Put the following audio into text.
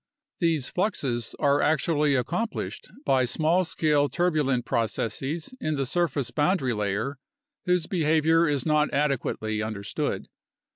These fluxes are actually accomplished by small scale turbulent proc esses in the surface boundary layer whose behavior is not adequately understood.